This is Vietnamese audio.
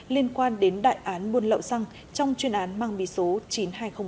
liên quan đến đại án buôn lậu xăng trong chuyên án mang bí số chín trăm hai mươi g